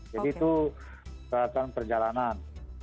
jadi itu perjalanan